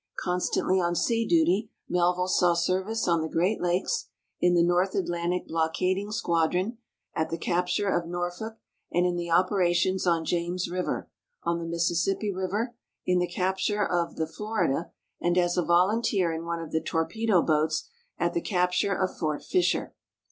Constantly on sea duty, Melville saw service on the Great Lakes, in the North Atlantic blockading squadron, at the capture of Norfolk and in the operations on James river, on the Mississippi river, in the capture of the Florida, and as a volunteer in one of the torpedo boats at the capture of Fort Fisher.